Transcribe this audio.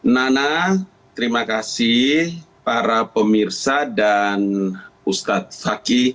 nana terima kasih para pemirsa dan ustadz fakih